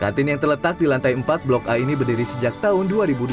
kantin yang terletak di lantai empat blok a ini berdiri sejak tahun dua ribu dua